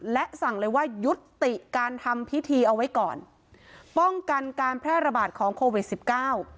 และสั่งเลยว่ายุติการทำพิธีเอาไว้ก่อนป้องกันการแพร่ระบาดของโควิดสิบเก้า